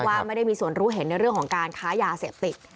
ว่าไม่ได้มีส่วนรู้เห็นในเรื่องของการค้ายาเสพติด